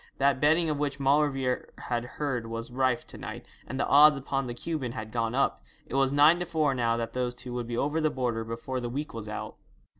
That betting of which Maulevrier had heard was rife to night, and the odds upon the Cuban had gone up. It was nine to four now that those two would be over the border before the week was out.